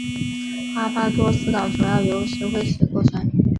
巴巴多斯岛主要由石灰石构成。